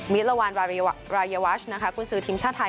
มิตรละวานรายวาชคุณสือทีมชาไทย